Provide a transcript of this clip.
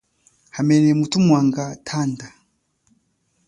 Hamene muthu mwanga thanda.